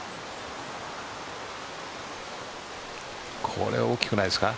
これ、大きくないですか。